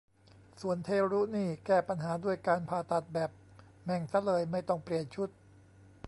ส่วนเทรุนี่แก้ปัญหาด้วยการผ่าตัดแบบ แม่งซะเลย ไม่ต้องเปลี่ยนชุด